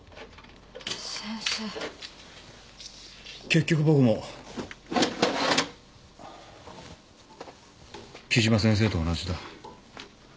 結局僕も木島先生と同じだ。